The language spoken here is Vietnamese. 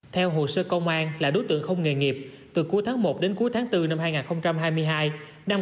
theo hồ sơ công an là đối tượng không nghề nghiệp từ cuối tháng một đến cuối tháng bốn năm hai nghìn hai mươi hai